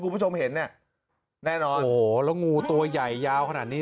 คุณผู้ชมเห็นเนี่ยแน่นอนโอ้โหแล้วงูตัวใหญ่ยาวขนาดนี้